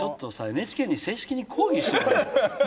ＮＨＫに正式に抗議しようよ。